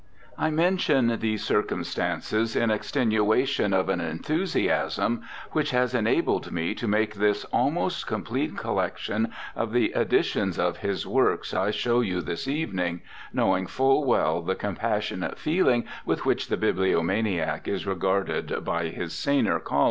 I mention these circumstances in extenuation of an enthusiasm which has enabled me to make this almost complete collection of the editions of his works I show you this evening, knowing full well the com passionate feeling with which the bibliomaniac is regarded by his saner colleagues.